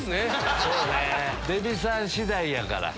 デヴィさん次第やから。